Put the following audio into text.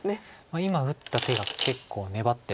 今打った手が結構粘ってる手で。